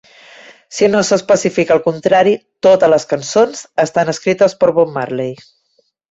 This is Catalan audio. Si no s'especifica el contrari, totes les cançons estan escrites per Bob Marley.